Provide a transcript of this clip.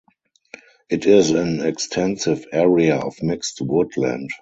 It is an extensive area of mixed woodland.